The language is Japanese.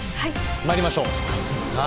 まいりましょう。